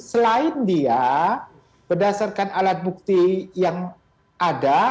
selain dia berdasarkan alat bukti yang ada